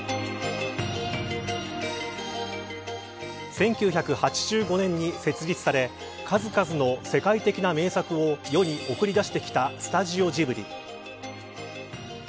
１９８５年に設立され数々の世界的な名作を世に送り出してきたスタジオジブリ。